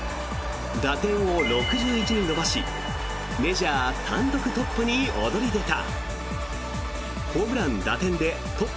打点を６１に伸ばしメジャー単独トップに躍り出た。